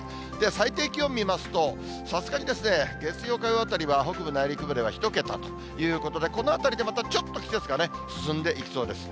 最低気温を見ますと、さすがに月曜、火曜あたりは北部内陸部では１桁ということで、このあたりでまたちょっと季節がね、進んでいきそうです。